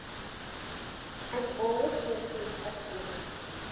AN OLD HORSE'S APPEAL.